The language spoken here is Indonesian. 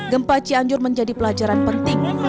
gempa cianjur menjadi pelajaran penting